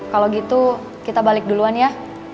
kalau gitu kita balik duluan ya